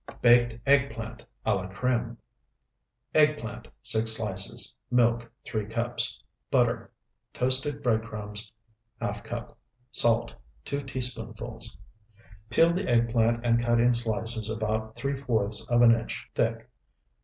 BAKED EGGPLANT A LA CREME Eggplant, 6 slices. Milk, 3 cups Butter. Toasted bread crumbs, ½ cup. Salt, 2 teaspoonfuls. Peel the eggplant and cut in slices about three fourths of an inch thick.